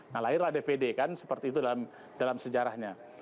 nah lahirlah dpd kan seperti itu dalam sejarahnya